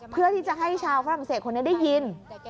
เพื่อที่จะให้ชาวฝรั่งเศสคนนี้ได้ยิน